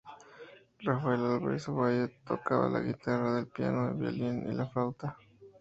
Rafael Álvarez Ovalle tocaba la guitarra, el piano, el violín y la flauta.